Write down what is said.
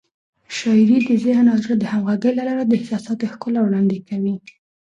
شاعري د ذهن او زړه د همغږۍ له لارې د احساساتو ښکلا وړاندې کوي.